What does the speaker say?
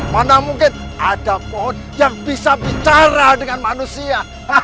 mana mungkin ada pohon yang bisa bicara dengan manusia